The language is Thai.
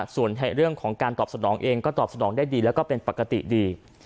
ส่วนเรื่องของการตอบสนองเองก็ตอบสนองได้ดีแล้วก็เป็นปกติดี